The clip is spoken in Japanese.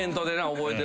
覚えてる。